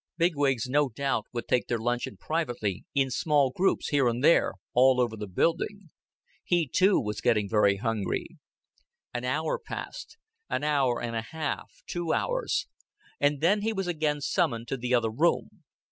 Bigwigs no doubt would take their luncheon privately, in small groups, here and there, all over the building. He too was getting very hungry. An hour passed, an hour and a half, two hours; and then he was again summoned to the other room.